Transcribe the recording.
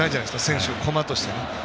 選手を駒として。